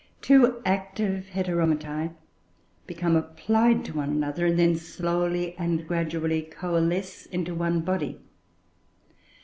Two active Heteromitoe become applied to one another, and then slowly and gradually coalesce into one body.